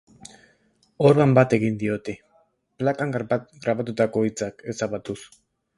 Orban bat egin diote, plakan grabatutako hitzak ezabatuz.